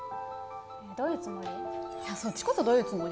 どういうつもり。